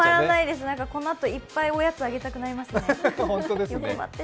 このあといっぱいおやつあげたくなりますね。